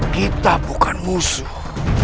kita bukan musuh